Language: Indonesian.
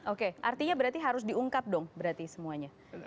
oke artinya berarti harus diungkap dong berarti semuanya